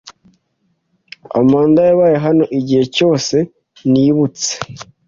Amanda yabaye hano igihe cyose nibutse.